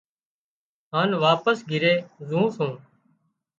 هانَ واپس گھِري زُون سُون۔